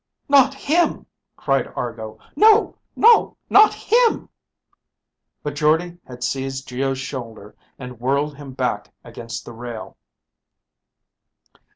"Not him!" cried Argo. "No, no! Not him!" But Jordde had seized Geo's shoulder and whirled him back against the rail.